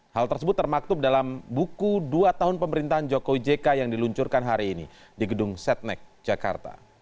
hal tersebut termaktub dalam buku dua tahun pemerintahan jokowi jk yang diluncurkan hari ini di gedung setnek jakarta